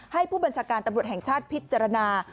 ให้ผู้บัญชาการตำรวจแห่งชาติพิจารณา